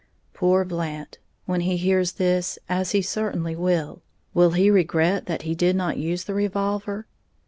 Poor Blant! When he hears this, as he certainly will, will he regret that he did not use the revolver?